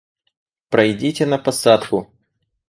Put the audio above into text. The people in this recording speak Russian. Пройдите на посадку.